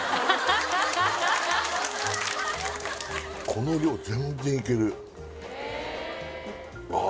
この量全然いけるあ